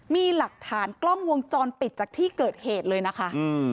มีหลักฐานกล้องวงจรปิดจากที่เกิดเหตุเลยนะคะ